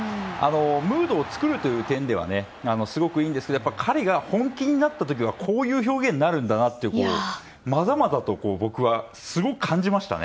ムードを作るという点ではすごくいいんですけど彼が本気になった時はこういう表現になるんだなとまざまざと、僕はすごく感じましたね。